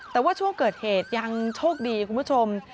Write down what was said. แต่ว่าช่วงเกิดเหตุยังโชคดีคุณผู้ชม